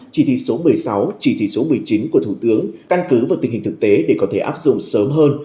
chỉ thị số một mươi sáu chỉ thị số một mươi chín của thủ tướng căn cứ vào tình hình thực tế để có thể áp dụng sớm hơn